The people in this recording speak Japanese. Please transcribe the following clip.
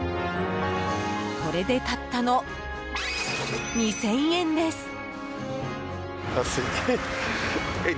これで、たったの２０００円です。